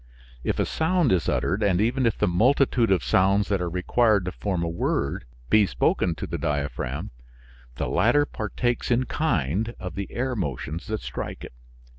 If a sound is uttered, and even if the multitude of sounds that are required to form a word, be spoken to the diaphragm, the latter partakes in kind of the air motions that strike it.